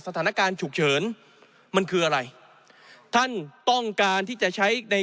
สถานการณ์ฉุกเฉินมันคืออะไรท่านต้องการที่จะใช้ใน